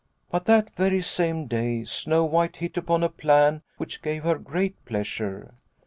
" But that very same day Snow White hit upon a plan which gave her great pleasure.